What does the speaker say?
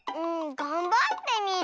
がんばってみる。